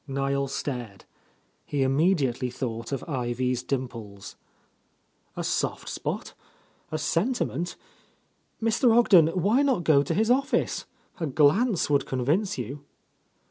Niel stared. He immediately thought of Ivy's dimples. "A soft spot? A sentiment? Mr. Ogden, why not go to his office? A glance would con vince you."